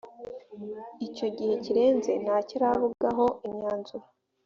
icyo gihe kirenze ntacyo arab ugaho imyanzuro